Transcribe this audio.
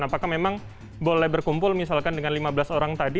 apakah memang boleh berkumpul misalkan dengan lima belas orang tadi